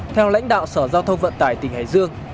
theo lãnh đạo sở giao thông vận tải tỉnh hải dương